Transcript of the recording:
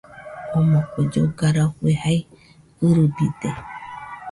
Omo kue lloga rafue jae ɨrɨbide